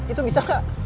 itu bisa gak